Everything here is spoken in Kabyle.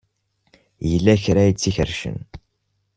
Yella kra ay t-ikerrcen.